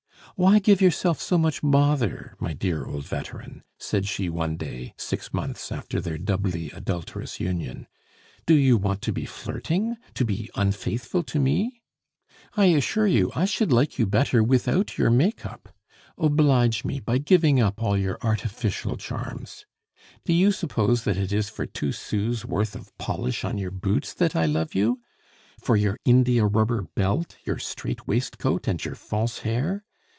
"Why give yourself so much bother, my dear old veteran?" said she one day, six months after their doubly adulterous union. "Do you want to be flirting? To be unfaithful to me? I assure you, I should like you better without your make up. Oblige me by giving up all your artificial charms. Do you suppose that it is for two sous' worth of polish on your boots that I love you? For your india rubber belt, your strait waistcoat, and your false hair?